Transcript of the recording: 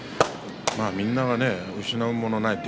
みんな、失うものはない。